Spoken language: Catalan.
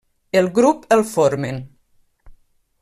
El grup el formen: